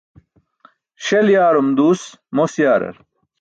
Śel yaarum duus mos yaarar.